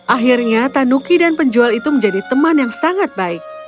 akhirnya tanuki dan penjual itu menjadi teman yang sangat baik